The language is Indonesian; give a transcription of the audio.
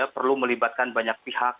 perlu melibatkan banyak pihak